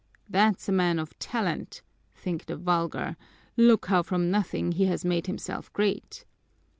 'That's a man of talent,' think the vulgar, 'look how from nothing he has made himself great!'